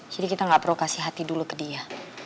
jadi kita gak perlu kasih hati dulu ke dia